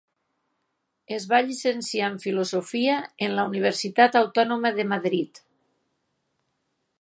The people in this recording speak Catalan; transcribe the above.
Es va llicenciar en Filosofia en la Universitat Autònoma de Madrid.